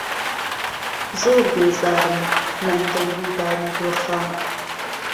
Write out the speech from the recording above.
زۆر بێزارم لهم دهور و بارودۆخه